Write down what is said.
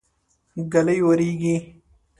ږلۍ وريږي.